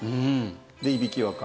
でいびきはかく。